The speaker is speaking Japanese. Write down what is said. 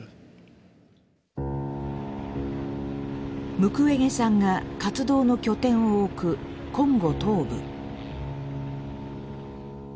ムクウェゲさんが活動の拠点を置くコンゴ東部。